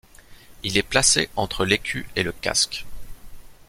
Il est placé entre l'écu et le casque.